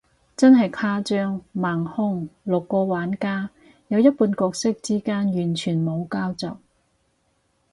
真係誇張，盲兇，六個玩家，有一半角色之間完全冇交集，